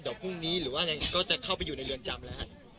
เดี๋ยวพรุ่งนี้หรือว่าจะเข้าไปอยู่ในเรือนจำละครับ